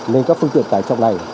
nên các phương tiện tài trọng này